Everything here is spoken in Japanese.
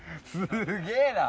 すげーな。